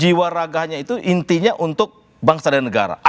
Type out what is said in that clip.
jadi jiwa ragahnya itu intinya untuk bangsa dan negara